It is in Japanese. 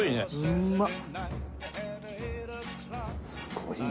うんまっ！